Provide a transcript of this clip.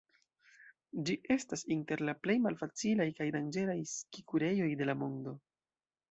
Ĝi estas inter la plej malfacilaj kaj danĝeraj ski-kurejoj de la mondo.